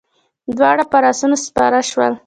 دواړه پر آسونو سپاره شول.